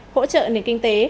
hỗ trợ nền kinh tế